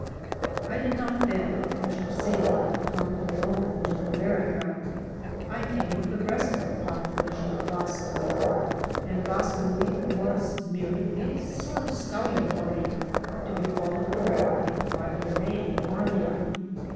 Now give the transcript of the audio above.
I did not, then, as you see, come alone, to Aiherica. I came with the rest of the population of Vaslui. And Vaslui was merely a sort of scouting party, to be followed directly by the main army.